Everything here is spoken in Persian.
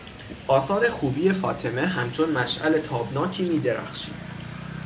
آثار خوبی فاطمه همچون مشعل تابناکی میدرخشید.